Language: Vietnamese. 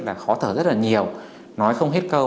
là khó thở rất là nhiều nói không hết câu